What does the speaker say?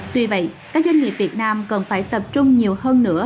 tuy vậy các doanh nghiệp việt nam cần phải tập trung nhiều hơn nữa